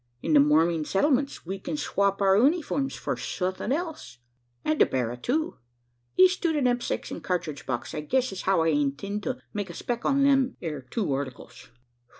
In the Morming settlements, we kin swop our unyforms for suthin' else, an' the berra too. Es to the knepsacks an' cartridge box, I guess as how I inteend to make a spec on them ere two articles."